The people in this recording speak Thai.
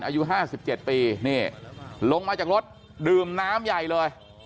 อายุ๕๗ปีนี่ลงมาจากรถดื่มน้ำใหญ่เลย